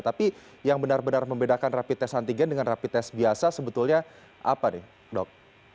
tapi yang benar benar membedakan rapid test antigen dengan rapi tes biasa sebetulnya apa nih dok